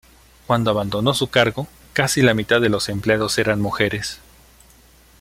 Cuando abandonó su cargo, casi la mitad de los empleados eran mujeres.